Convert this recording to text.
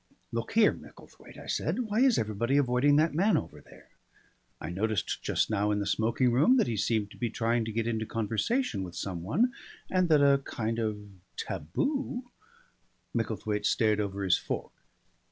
"Look here, Micklethwaite," I said, "why is everybody avoiding that man over there? I noticed just now in the smoking room that he seemed to be trying to get into conversation with some one and that a kind of taboo " Micklethwaite stared over his fork.